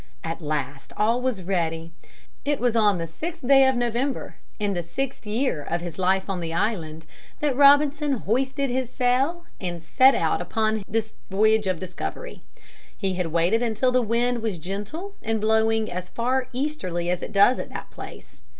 At last all was ready. It was on the sixth day of November in the sixth year of his life on the island that Robinson hoisted his sail and set out upon this voyage of discovery. He had waited until the wind was gentle and blowing as far easterly as it does at that place.